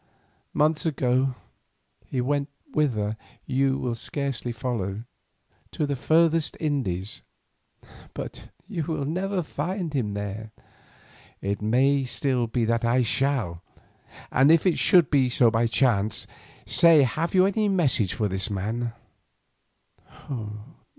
Months ago he went whither you will scarcely follow, to the furthest Indies; but you will never find him there." "It may still be that I shall, and if it should so chance, say have you any message for this man?"